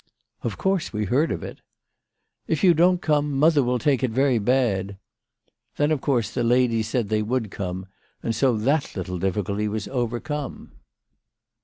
" Of course we heard of it." "If you don't come mother will take it very bad." Then of course the ladies said they would come, and so that little difficulty was overcome.